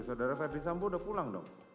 saudara ferdis sambu sudah pulang dong